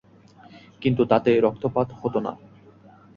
কিন্তু তাতে রক্তপাত হতো না।